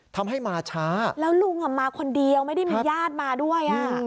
ทำให้มาช้าแล้วลุงอ่ะมาคนเดียวไม่ได้มีญาติมาด้วยอ่ะ